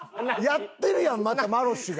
やってるやんまたマロッシュが。